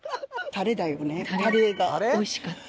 タレが美味しかった。